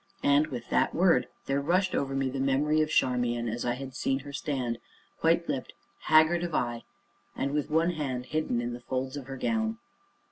And, with that word, there rushed over me the memory of Charmian as I had seen her stand white lipped, haggard of eye, and with one hand hidden in the folds of her gown.